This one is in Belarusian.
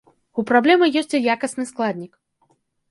У праблемы ёсць і якасны складнік.